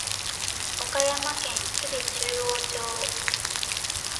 岡山県吉備中央町